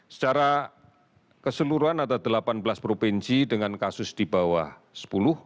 secara keseluruhan ada delapan belas provinsi dengan kasus di bawah sepuluh